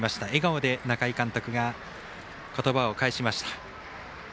笑顔で中井監督が言葉を返しました。